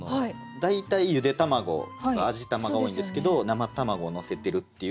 大体ゆで卵とか味玉が多いんですけど生卵をのせてるっていう。